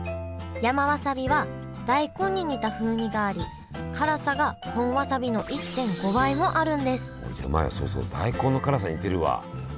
山わさびは大根に似た風味があり辛さが本わさびの１．５倍もあるんですそうそう大根の辛さに似てるわ。